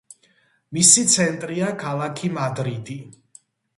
მისი ცენტრია ქალაქი მადრიდი.